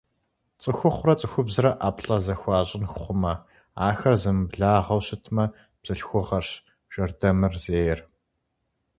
ЦӀыхухъурэ цӀыхубзрэ ӀэплӀэ зэхуащӀын хъумэ, ахэр зэмыблагъэу щытмэ, бзылъхугъэрщ жэрдэмыр зейр.